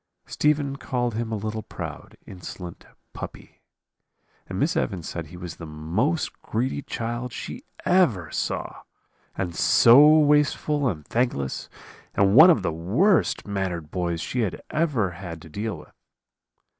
"Stephen called him a little proud, insolent puppy. And Miss Evans said he was the most greedy child she ever saw, and so wasteful and thankless, and one of the worst mannered boys she ever had to deal with.